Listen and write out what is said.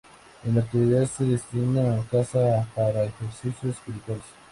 En la actualidad se destina a casa para ejercicios espirituales.